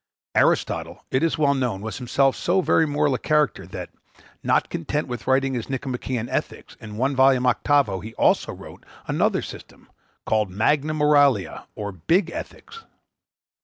Aristotle, it is well known, was himself so very moral a character, that, not content with writing his Nichomachean Ethics, in one volume octavo, he also wrote another system, called Magna Moralia, or Big Ethics.